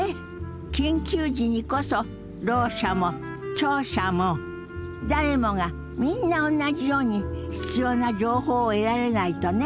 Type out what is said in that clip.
緊急時にこそろう者も聴者も誰もがみんなおんなじように必要な情報を得られないとね。